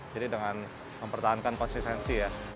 jadi dengan mempertahankan konsistensi ya